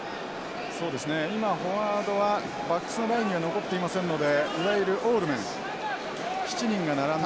今フォワードはバックスの前には残っていませんのでいわゆるオールメン７人が並んで。